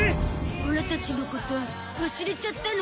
オラたちのこと忘れちゃったの？